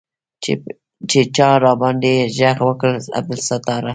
چې چا راباندې ږغ وکړ عبدالستاره.